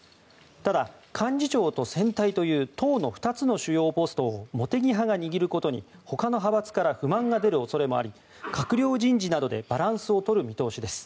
ただ幹事長と選対という党の２つの主要ポストを茂木派が握ることにほかの派閥から不満が出る恐れもあり閣僚人事などでバランスを取る見通しです。